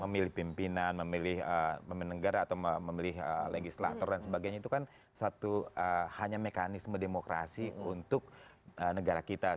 memilih pimpinan memilih pemimpin negara atau memilih legislator dan sebagainya itu kan suatu hanya mekanisme demokrasi untuk negara kita